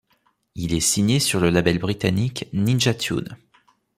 Il est signé sur le label britannique Ninja Tune.